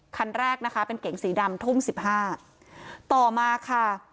คันแรกนะคะเป็นเก๋งสีดำทุ่มสิบห้าต่อมาค่ะ